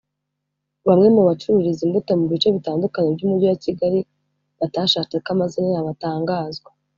Bamwe mu bacururiza imbuto mu bice bitandukanye by’Umujyi wa Kigali batashatse ko amazina yabo atangazwa